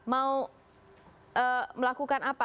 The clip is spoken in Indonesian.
mau melakukan apa